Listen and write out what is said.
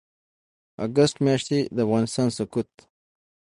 اګسټ میاشتې د افغانستان سقوط